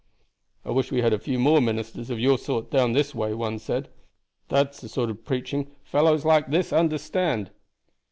"I wish we had a few more ministers of your sort down this way," one said. "That's the sort of preaching fellows like this understand.